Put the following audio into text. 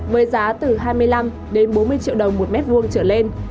với giá từ hai mươi năm bốn mươi triệu đồng một m hai trở lên